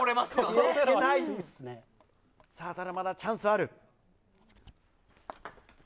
まだまだチャンスはある。